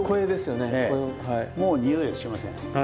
もうにおいはしません。